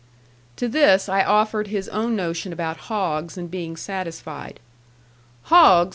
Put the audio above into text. To this I offered his own notion about hogs and being satisfied. "Hogs!"